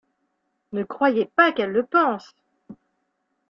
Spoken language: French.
Ne croyez pas qu’elle le pense !